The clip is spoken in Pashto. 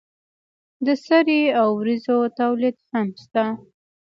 د سرې او وریجو تولید هم شته.